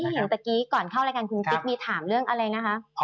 เห็นเมื่อกี้ก่อนเข้ารายการคุณกิ๊กมีถามเรื่องอะไรนะคะ